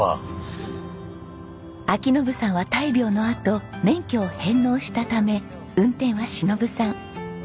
章伸さんは大病のあと免許を返納したため運転は忍さん。